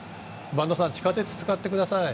播戸さん地下鉄を使ってください。